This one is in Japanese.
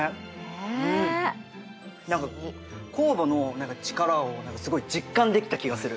何か酵母の力をすごい実感できた気がする。